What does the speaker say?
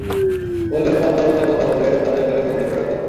বললেন, পর্দা প্রথার কথা বলে তাঁদের ঘরে বন্দী করে রাখা হতো।